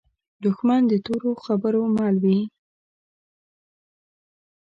دښمن د تورو خبرو مل وي